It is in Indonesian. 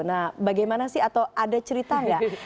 nah bagaimana sih atau ada cerita nggak